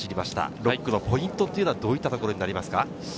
６区のポイントというのはどういったところになりますか？